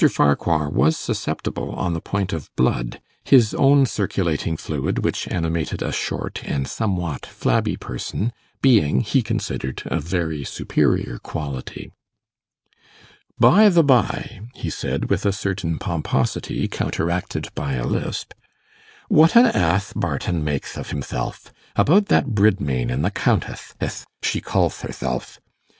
Farquhar was susceptible on the point of 'blood' his own circulating fluid, which animated a short and somewhat flabby person, being, he considered, of very superior quality. 'By the by,' he said, with a certain pomposity counteracted by a lisp, 'what an ath Barton makth of himthelf, about that Bridmain and the Counteth, ath she callth herthelf.